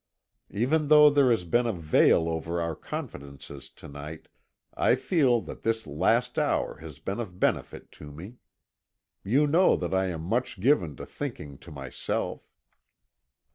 Even though there has been a veil over our confidences to night, I feel that this last hour has been of benefit to me. You know that I am much given to thinking to myself.